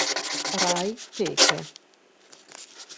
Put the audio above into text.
Rai Teche